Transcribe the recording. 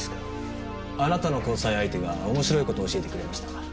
あなたの交際相手が面白い事を教えてくれました。